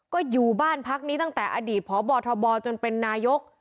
ก็อยู่บ้านพักนี้ตั้งแต่อดีตพบทบจนเป็นนายก